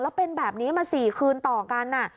แล้วเป็นแบบนี้มา๔คืนต่อกัน